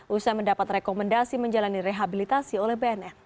usai mendapat rekomendasi menjalani rehabilitasi oleh bnn